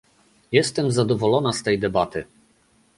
Jestem zadowolona z tej debaty